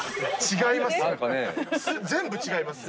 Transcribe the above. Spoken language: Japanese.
違います。